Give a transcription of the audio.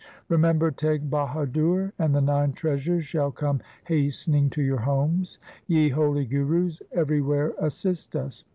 Remember Teg Bahadur, and the nine treasures shall come hastening to your homes. Ye holy Gurus, everywhere assist us.